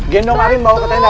gendong arin bawa ke tenda